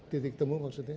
titik temu maksudnya